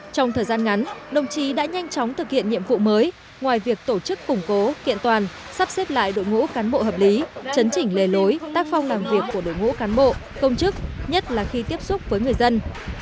trong thời gian ngắn đồng chí đã nhanh chóng thực hiện nhiệm vụ mới ngoài việc tổ chức củng cố kiện toàn sắp xếp lại đội ngũ cán bộ hợp lý chấn chỉnh lề lối tác phong làm việc của đội ngũ cán bộ công chức nhất là khi tiếp xúc với người dân